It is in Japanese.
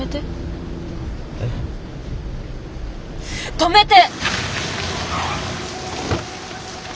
止めて！